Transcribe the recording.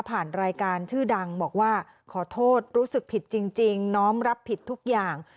ผ่านรายการชื่อดังบอกว่าขอโทษรู้สึกผิดจริงน้อมรับผิดทุกอย่าง